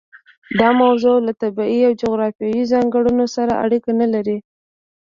دا موضوع له طبیعي او جغرافیوي ځانګړنو سره اړیکه نه لري.